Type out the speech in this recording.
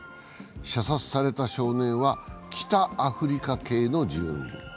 射殺された少年は、北アフリカ系の住民。